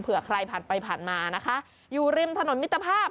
ใครผ่านไปผ่านมานะคะอยู่ริมถนนมิตรภาพ